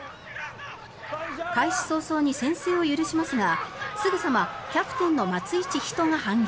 開始早々に先制を許しますがすぐさまキャプテンの松井千士が反撃。